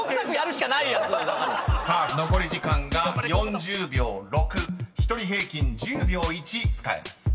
［さあ残り時間が４０秒６］［１人平均１０秒１使えます］